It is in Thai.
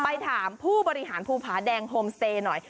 ไปถามผู้บริหารภูผาแดงโฮมสเตย์หน่อย